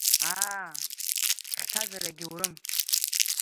Аа, хьҭазар иагьаурым.